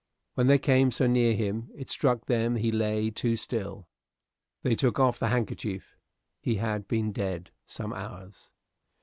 When they came so near him, it struck them he lay too still. They took off the handkerchief. He had been dead some hours.